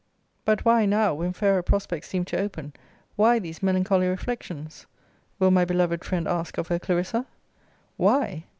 But why, now, when fairer prospects seem to open, why these melancholy reflections? will my beloved friend ask of her Clarissa? Why?